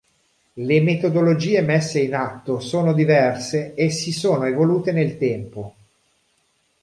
Le metodologie messe in atto sono diverse e si sono evolute nel tempo.